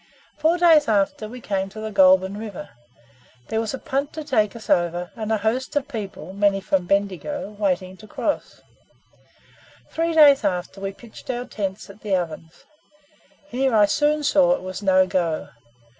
Four days after, we came to the Goulburn river. There was a punt to take us over, and a host of people (many from Bendigo) waiting to cross. Three days after, we pitched out tents at the Ovens. Here I soon saw it was no go.